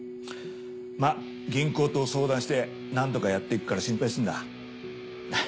まぁ銀行と相談してなんとかやっていくから心配するな。